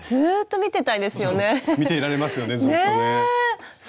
見ていられますよねずっとね。